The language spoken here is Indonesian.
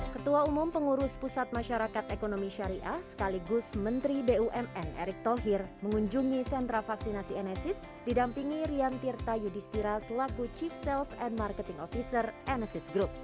ketua umum pengurus pusat masyarakat ekonomi syariah sekaligus menteri bumn erick thohir mengunjungi sentra vaksinasi enesis didampingi rian tirta yudhistira selaku chief sales and marketing officer enesis group